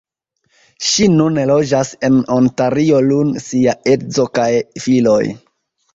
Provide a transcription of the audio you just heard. Ŝi nune loĝas en Ontario lun sia edzo kaj filoj.